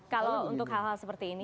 kalau untuk hal hal seperti ini